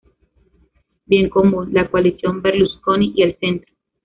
Bien Común, la coalición Berlusconi y el centro.